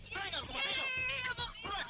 serangin aku mas